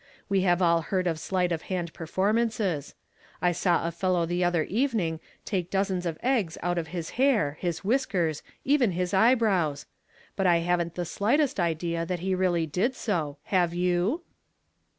We have all heard of sleight of hand performances. I saw a fellow the other evening take dozens of eggs out of his hair, his whiskei s, even his eyebrows ! but I haven't the slightest idea that he really did so, have you?